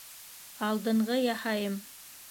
Алдынғы яһайым!